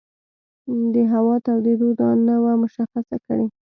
د هوا تودېدو دا نه وه مشخصه کړې.